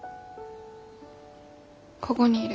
こごにいる。